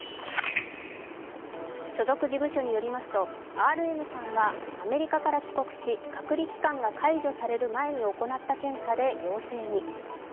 所属事務所によりますと、ＲＭさんはアメリカから帰国し、隔離期間が解除される前に行った検査で陽性に。